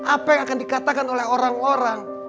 apa yang akan dikatakan oleh orang orang